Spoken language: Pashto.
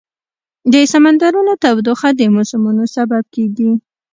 د سمندرونو تودوخه د موسمونو سبب کېږي.